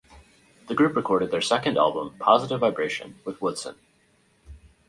The group recorded their second album "Positive Vibration", with Woodson.